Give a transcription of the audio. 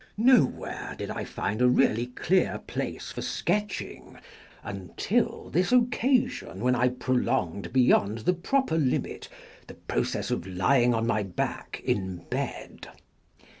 Nowhere did I find a really clear place for sketching until this occasion when I prolonged beyond the proper limit the process of lying on my back in bed.